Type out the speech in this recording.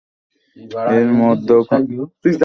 এর মধ্যে কোন আযাব রয়েছে কিনা—সে ব্যাপারে আমি নিশ্চিত নই।